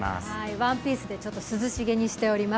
ワンピースで涼しげにしております。